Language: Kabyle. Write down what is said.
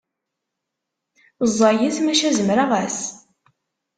Ẓẓayet maca zemreɣ-as.